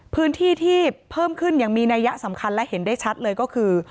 พื้นที่ที่เพิ่มขึ้นอย่างมีนัยยะสำคัญและเห็นได้ชัดเลยก็คือ